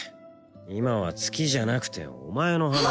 今は月じゃなくてお前の話を